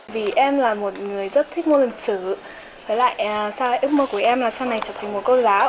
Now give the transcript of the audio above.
vì em là một người rất thích môn lịch sử với lại ước mơ của em là sau này trở thành một cô giáo